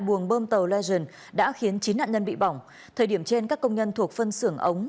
buồng bơm tàu legend đã khiến chín nạn nhân bị bỏng thời điểm trên các công nhân thuộc phân xưởng ống